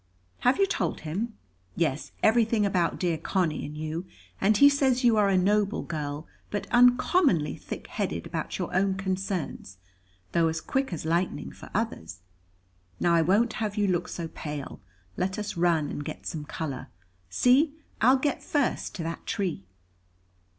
"Have you told him?" "Yes, everything about dear Conny and you; and he says you are a noble girl, but uncommonly thick headed about your own concerns, though as quick as lightning for others. Now, I won't have you look so pale; let us run and get some colour. See, I'll get first to that tree."